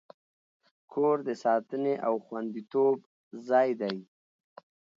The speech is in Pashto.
کور د ساتنې او خوندیتوب ځای دی.